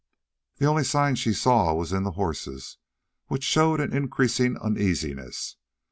The only sign she saw was in the horses, which showed an increasing uneasiness.